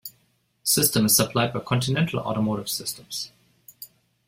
The system is supplied by Continental Automotive Systems.